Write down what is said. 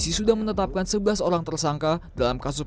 ninoi diantarkan pulang menggunakan mobil pengangkut barang